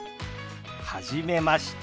はじめまして。